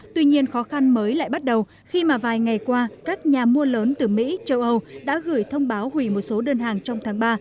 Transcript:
tuy nhiên khó khăn mới lại bắt đầu khi mà vài ngày qua các nhà mua lớn từ mỹ châu âu đã gửi thông báo hủy một số đơn hàng trong tháng ba